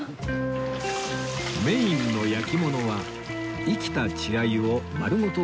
メインの焼き物は生きた稚鮎を丸ごと